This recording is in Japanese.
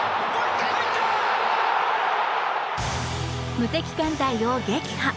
無敵艦隊を撃破。